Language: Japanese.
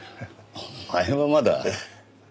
お前はまだ。